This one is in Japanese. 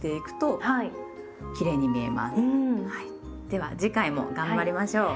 では次回も頑張りましょう。